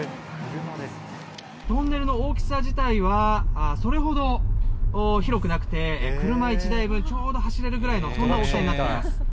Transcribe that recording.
トンネルの大きさ自体は、それほど広くなくて、車１台分、ちょうど走れるぐらいの、そんな大きさになっています。